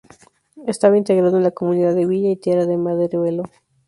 Estaba integrado en la Comunidad de Villa y Tierra de Maderuelo.